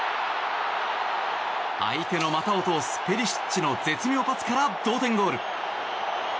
相手の股を通す、ペリシッチの絶妙パスから同点ゴール。